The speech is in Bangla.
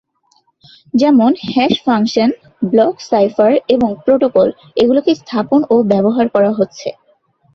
যেমনঃ হ্যাশ ফাংশন, ব্লক সাইফার এবং প্রোটোকল; এগুলোকে স্থাপন ও ব্যবহার করা হচ্ছে।